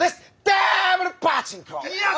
ダーブルパチンコ！